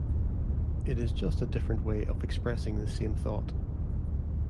It is just a different way of expressing the same thought.